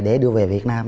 để đưa về việt nam